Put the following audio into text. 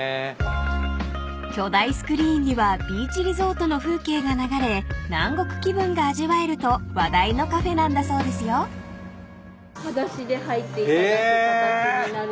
［巨大スクリーンにはビーチリゾートの風景が流れ南国気分が味わえると話題のカフェなんだそうですよ］え。